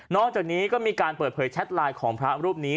จากนี้ก็มีการเปิดเผยแชทไลน์ของพระรูปนี้